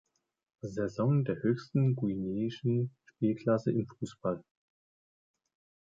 Saison der höchsten guineischen Spielklasse im Fußball.